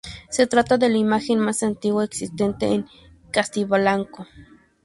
Se trata de la imagen más antigua existente en Castilblanco.